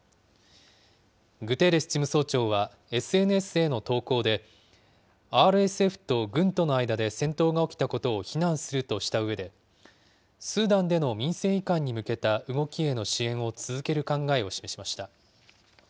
グテーレス事務総長は、ＳＮＳへの投稿で、ＲＳＦと軍との間で戦闘が起きたことを非難するとしたうえで、スーダンでの民政移管に向けた動きへの支援を続ける考えを示しました。